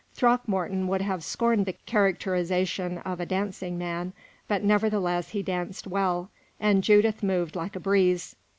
Throckmorton would have scorned the characterization of a "dancing man," but nevertheless he danced well, and Judith moved like a breeze.